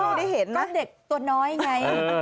ก็เด็กตัวน้อยไง